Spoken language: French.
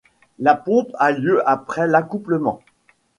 La ponte a lieu après l'accouplement.